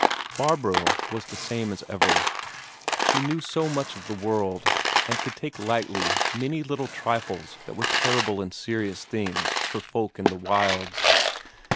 Barbro was the same as ever. She knew so much of the world, and could take lightly many little trifles that were terrible and serious things for folk in the wilds.